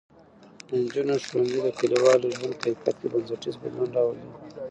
د نجونو ښوونځی د کلیوالو ژوند کیفیت کې بنسټیز بدلون راولي.